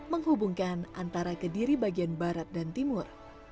menghubungkan antara kediri bagian barat dan timur